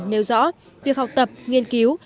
nêu rõ việc học tập nghiên cứu